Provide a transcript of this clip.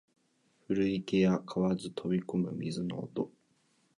古池や蛙飛び込む水の音